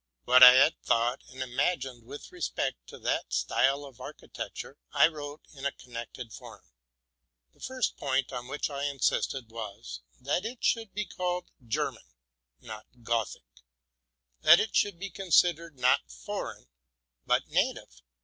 What I had thought and imagined with respect to that style of architecture, I wrote in a connected form. The first point on which I insisted was, that it should be called Ger man, and not Gothic; that it should be considered not for eign, but native.